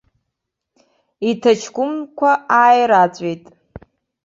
Иҭаҷкәымқәа ааираҵәеит.